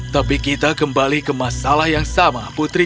tapi kita kembali ke masalah yang sama putri